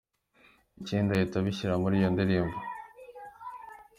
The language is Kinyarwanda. Bikindi ahita abishyira muri iyo ndirimbo.